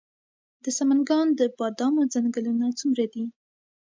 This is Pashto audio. د سمنګان د بادامو ځنګلونه څومره دي؟